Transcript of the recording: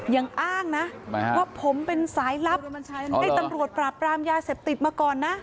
ยังอ้างนะว่าผมเป็นสายลับให้ตำรวจปราบปรามยาเสพติดมาก่อนนะ